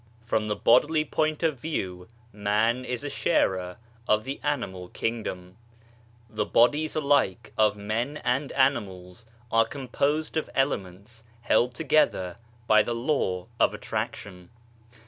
From the bodily point of view Man is a sharer of the Animal Kingdom. The bodies alike of men and animals are composed of elements held together by the law of attraction.